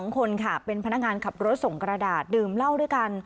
๒คนค่ะเป็นพนักงานขับรถส่งกระดาษดื่มเหล้าด้วยกัน